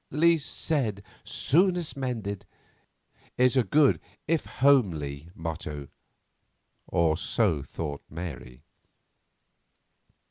"Least said, soonest mended," is a good if a homely motto, or so thought Mary.